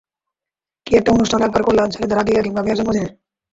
কী-একটা অনুষ্ঠান একবার করলেন-ছেলের আকিকা কিংবা মেয়ের জন্মদিনে।